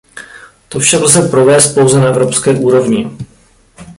To však lze provést pouze na evropské úrovni.